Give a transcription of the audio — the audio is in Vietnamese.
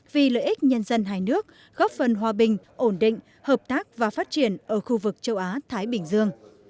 vì lợi ích nhân dân hai nước góp phần hòa bình ổn định hợp tác và phát triển ở khu vực châu á thái bình dương